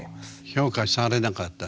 評価されなかった？